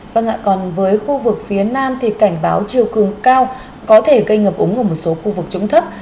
vâng ạ còn với khu vực phía nam thì cảnh báo chiều cường cao có thể gây ngập úng ở một số khu vực trũng thấp